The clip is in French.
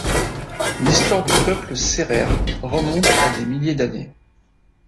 L'histoire du peuple sérère remonte à des milliers d'années.